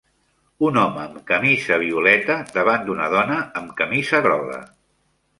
Un home amb camisa violeta davant d'una dona amb camisa groga.